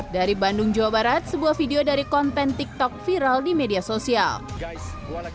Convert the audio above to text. dari bandung jawa barat sebuah video dari konten tiktok viral di media sosial guys